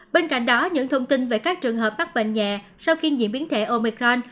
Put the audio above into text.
bên cạnh đó những thông tin về các trường hợp mắc bệnh nhẹ sau khi diễn biến thể omicron